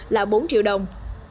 là bốn triệu đồng